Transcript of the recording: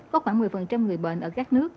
có khoảng một mươi người bệnh ở các nước